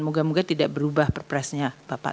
moga moga tidak berubah perpresnya bapak